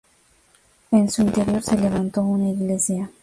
En su interior se levantó una iglesia.